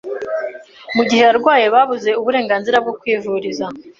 mu gihe yarwaye babuze uburenganzira bwo kwivuriza